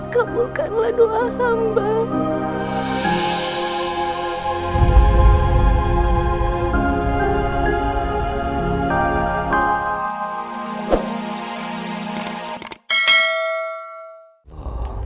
kamulkanlah doa hamba